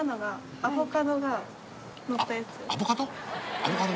アボカド？